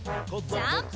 ジャンプ！